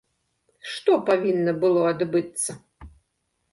Што павінна было адбыцца?